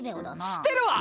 知ってるわ！